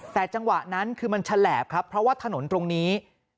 แต่จังหวะนั้นคือมันฉลาบครับเพราะว่าถนนตรงนี้